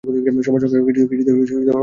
সমাজ-সংসার কিছুতেই মন বসে না।